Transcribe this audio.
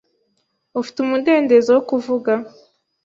Ufite umudendezo wo kuvuga?